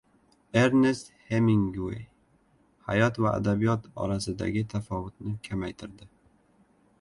Ernest Heminguey hayot va adabiyot orasidagi tafovutni kamaytirdi.